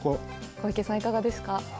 小池さん、いかがですか。